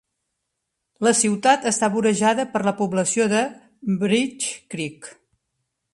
La ciutat està vorejada per la població de Bridge Creek.